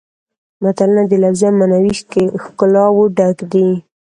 متلونه د لفظي او معنوي ښکلاوو ډک دي